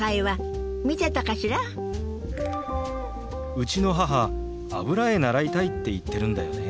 うちの母油絵習いたいって言ってるんだよね。